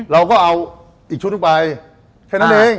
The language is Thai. เราก็เอาอีกชุดลงไปแค่นั้นเอง